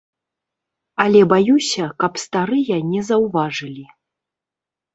Але баюся, каб старыя не заўважылі.